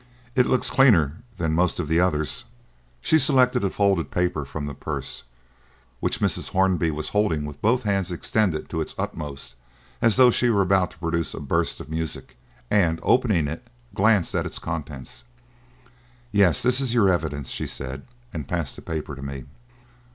"It looks cleaner than most of the others." She selected a folded paper from the purse which Mrs. Hornby was holding with both hands extended to its utmost, as though she were about to produce a burst of music, and, opening it, glanced at its contents. "Yes, this is your evidence," she said, and passed the paper to me.